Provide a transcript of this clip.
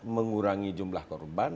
mengurangi jumlah korban